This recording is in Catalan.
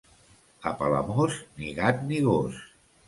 A Palamós, ni gat ni gos.